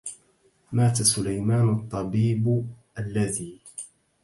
مات سليمان الطبيب الذي